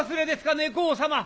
猫王様！